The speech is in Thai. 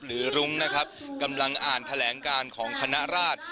รุ้งนะครับกำลังอ่านแถลงการของคณะราช